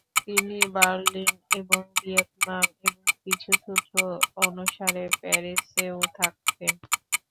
তিনি বার্লিন এবং ভিয়েনায় এবং কিছু সূত্র অনুসারে প্যারিসেও থাকতেন।